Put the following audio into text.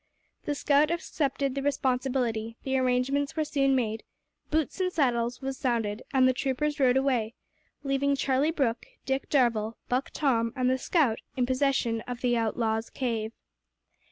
The scout accepted the responsibility; the arrangements were soon made; "boots and saddles" was sounded, and the troopers rode away, leaving Charlie Brooke, Dick Darvall, Buck Tom, and the scout in possession of the outlaws' cave.